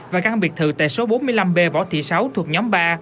và căn biệt thự tại số bốn mươi năm b võ thị sáu thuộc nhóm ba